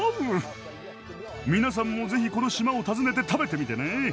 皆さんもぜひこの島を訪ねて食べてみてね。